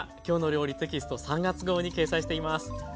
「きょうの料理」テキスト３月号に掲載しています。